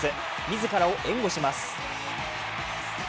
自らを援護します。